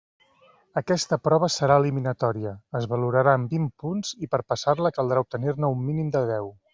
Aquesta prova serà eliminatòria, es valorarà en vint punts i per passar-la caldrà obtenir-ne un mínim de deu.